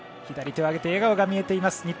左手を上げて笑顔が見えています。